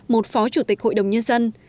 một phó chủ tịch hội đồng nhân dân